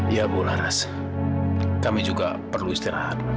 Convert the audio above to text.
ya bu laras kami juga perlu istirahat